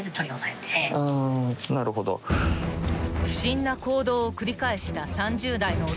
［不審な行動を繰り返した］